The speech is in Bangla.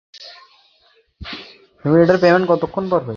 তিনি দর্শনশাস্ত্র অধ্যয়নের জন্য মস্কো গমন করেন।